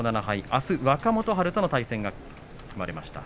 あす、若元春との対戦が組まれました。